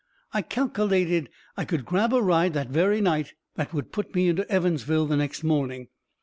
I calkelated I could grab a ride that very night that would put me into Evansville the next morning.